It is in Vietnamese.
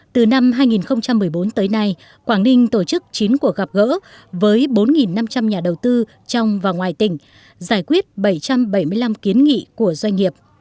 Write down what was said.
từ năm hai nghìn một mươi bốn tới nay quảng ninh tổ chức chín cuộc gặp gỡ với bốn năm trăm linh nhà đầu tư trong và ngoài tỉnh giải quyết bảy trăm bảy mươi năm kiến nghị của doanh nghiệp